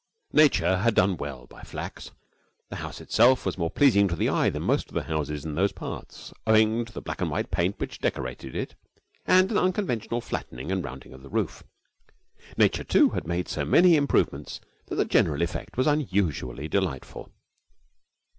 Nature had done well by Flack's. The house itself was more pleasing to the eye than most of the houses in those parts, owing to the black and white paint which decorated it and an unconventional flattening and rounding of the roof. Nature, too, had made so many improvements that the general effect was unusually delightful.